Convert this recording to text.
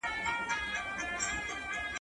زه له سېل څخه سم پاته هغوی ټول وي الوتلي ,